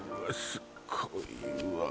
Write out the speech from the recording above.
すっごいわ